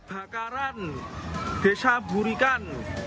kebakaran bisa burikan